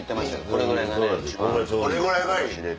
これぐらいがね。